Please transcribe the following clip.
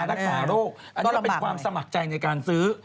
ไม่ใช่ยารักษาโรคอันนี้ก็เป็นความสมัครใจในการซื้อ